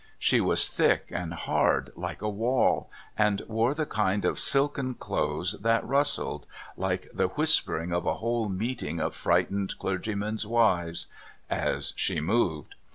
She was thick and hard, like a wall, and wore the kind of silken clothes, that rustled like the whispering of a whole meeting of frightened clergymen's wives as she moved.